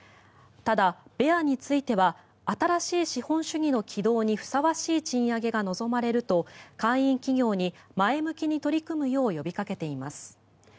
ただ、ベアについては新しい資本主義の起動にふさわしい賃上げが望まれると会員企業に前向きに取り組むよう呼びかけています。